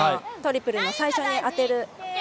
トリプルの最初に当てる。